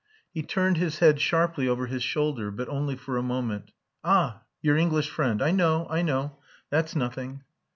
He turned his head sharply over his shoulder, but only for a moment. "Ah! your English friend. I know. I know. That's nothing."